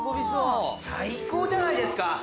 最高じゃないですか。